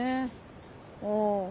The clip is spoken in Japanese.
うん。